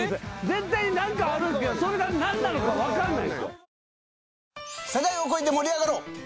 絶対に何かはあるんですけどそれが何なのか分かんない。